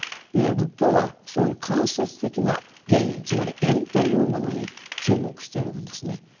仏教はそういう間接的な原因つまり「縁」というものに注目しているんですね。